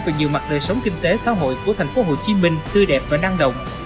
về nhiều mặt đời sống kinh tế xã hội của thành phố hồ chí minh tư đẹp và năng động